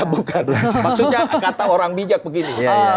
bukanlah maksudnya kata orang bijak begini